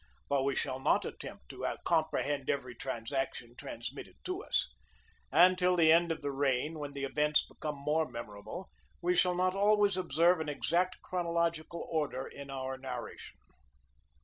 But we shall not attempt to comprehend every transaction transmitted to us: and till the end of the reign, when the events become more memorable, we shall not always observe an exact chronological order in our narration.